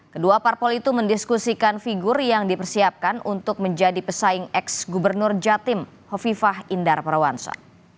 kedua parpol itu mendiskusikan figur yang dipersiapkan untuk menjadi pesaing ex gubernur jatim hovifah indar parawansa